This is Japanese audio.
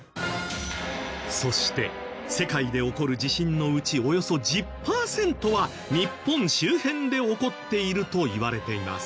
そして世界で起こる地震のうちおよそ１０パーセントは日本周辺で起こっているといわれています。